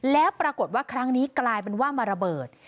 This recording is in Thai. แล้วปรากฏว่าครั้งนี้กลายเป็นว่ามาระเบิด